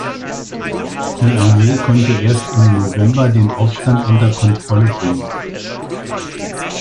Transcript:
Die Armee konnte erst im November den Aufstand unter Kontrolle bringen.